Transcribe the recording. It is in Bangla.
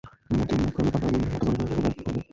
মতি মুখখানা পাকা গিন্নির মতো করিয়া বলিল, এবার কী করবে?